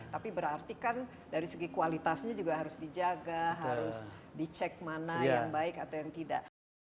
tapi berarti kan dari segi kualitasnya juga harus dijaga harus dicek mana yang baik atau yang tidak